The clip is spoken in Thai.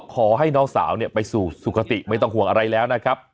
ขอให้น้องสาวไปสู่สุขติไม่ต้องห่วงอะไรแล้วนะครับ